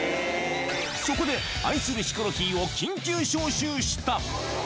そこで、愛するヒコロヒーを緊急招集した。